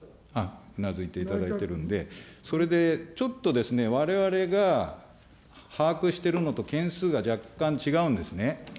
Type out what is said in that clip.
うなづいていただいてるんで、それでちょっとですね、われわれが把握してるのと件数が若干違うんですね。